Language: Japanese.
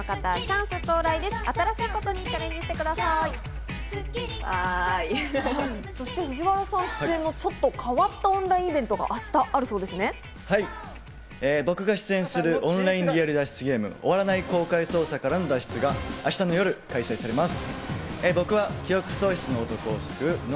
はい、僕が出演するオンラインリアル脱出ゲーム「終わらない公開捜査からの脱出」が明日の夜、開催されます。